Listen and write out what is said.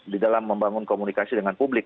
di dalam membangun komunikasi dengan publik